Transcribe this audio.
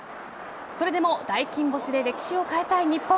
それでも大金星で歴史を変えたい日本。